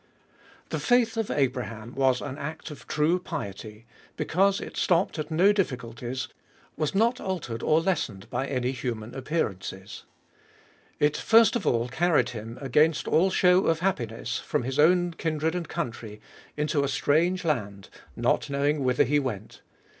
The faith of Abraham was an act of true piety, because it stopped at no diffi culties, was not altered or lessened by any human ap pearances. It first of all carried him, against all shew of happiness, from his own kindred and country, into a strange land^ not knowing whither he went.